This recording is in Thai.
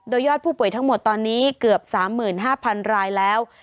โดยยอดผู้ป่วยทั้งหมดตอนนี้เกือบ๓๕๐๐๐รายแล้ว